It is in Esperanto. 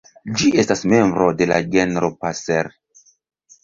Ĝi estas membro de la genro "Passer".